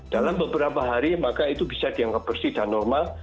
dalam beberapa hari maka itu bisa dianggap bersih dan normal